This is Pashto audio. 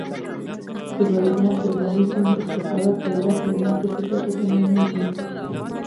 که غریبان قرباني سي، نو افتخارات د واک لرونکو په ګټه تمامیږي.